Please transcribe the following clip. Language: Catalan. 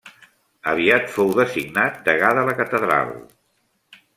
Aviat fou designat degà de la catedral.